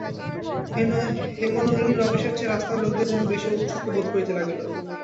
হেমনলিনী রমেশের চেয়ে রাস্তার লোকদের জন্য যেন বেশি ঔৎসুক্য বোধ করিতে লাগিল।